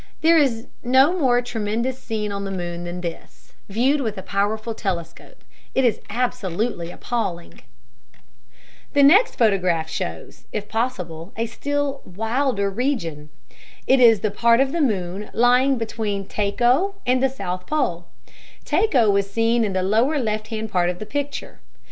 There is no more tremendous scene on the moon than this; viewed with a powerful telescope, it is absolutely appalling. [Illustration: Lunar craters Theophilus and surrounding region] The next photograph shows, if possible, a still wilder region. It is the part of the moon lying between Tycho and the south pole. Tycho is seen in the lower left hand part of the picture.